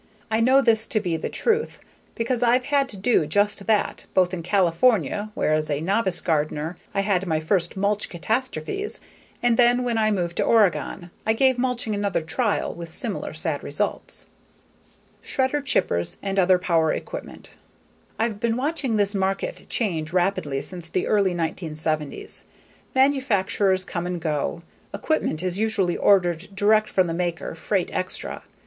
I know this to be the truth because I've had to do just that both in California where as a novice gardener I had my first mulch catastrophes, and then when I moved to Oregon, I gave mulching another trial with similar sad results. Sources for Composters, Grinders and etc. _ Shredder/Chippers and other power equipment_ I've been watching this market change rapidly since the early 1970s. Manufacturers come and go. Equipment is usually ordered direct from the maker, freight extra.